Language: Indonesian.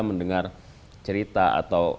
mendengar cerita atau